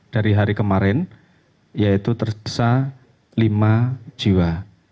dari hari kemarin yaitu tersisa lima jiwa